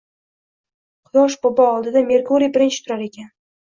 Quyosh bobo oldida Merkuriy birinchi turar ekan